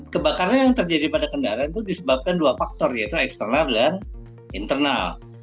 kebakaran yang terjadi pada kendaraan itu disebabkan dua faktor yaitu eksternal dan internal